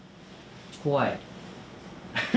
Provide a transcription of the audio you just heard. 怖い。